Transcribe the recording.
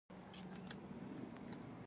ایا زه سټي سکن کولی شم؟